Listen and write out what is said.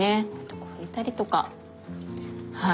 ここ拭いたりとかはい。